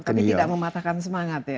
tapi tidak mematahkan semangat ya